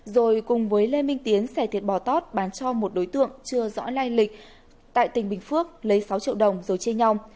rồi cùng với lê minh tiến sẻ thiệt bò tót bán cho một đối tượng chưa rõ lai lịch tại tỉnh bình phước lấy sáu triệu đồng rồi chia nhau